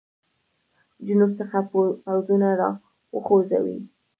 جنوب څخه پوځونه را وخوځوي.